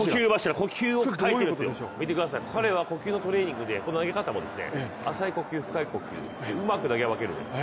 見てください、彼は呼吸のトレーニングでこの投げ方も浅い呼吸、深い呼吸うまく投げ分けるんです。